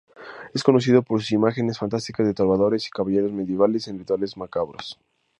Es conocido por sus imágenes fantásticas de trovadores y caballeros medievales en rituales macabros.